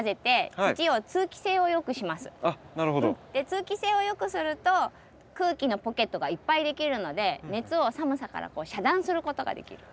通気性をよくすると空気のポケットがいっぱいできるので熱を寒さから遮断することができる。